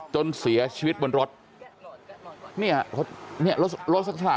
กลับไปลองกลับ